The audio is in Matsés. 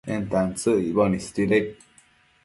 en tantsëc icboc istuidaid